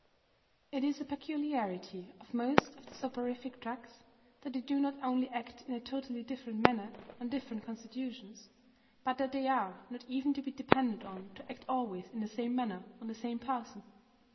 It is a peculiarity of most of the soporific drugs that they not only act in a totally different manner on different constitutions, but that they are not even to be depended on to act always in the same manner on the same person.